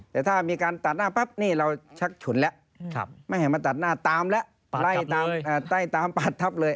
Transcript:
แต่ถ้ามีการตัดหน้าปั๊บนี่เราชักฉุนแล้วไม่ให้มาตัดหน้าตามแล้วไล่ตามไล่ตามปาดทับเลย